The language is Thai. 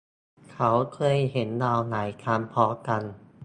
เขาเคยเห็นเราหลายครั้งพร้อมกัน